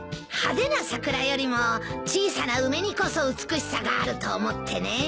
派手な桜よりも小さな梅にこそ美しさがあると思ってね。